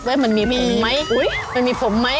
เว้ยมันมีผมไหมมันมีผมไหม